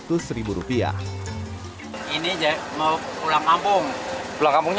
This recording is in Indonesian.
mudik menggunakan bajai untuk pulang kampung